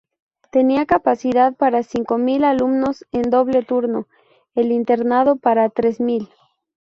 Tenía capacidad para cinco mil alumnos en doble turno; el internado para tres mil.